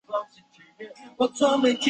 过年回乡下外公家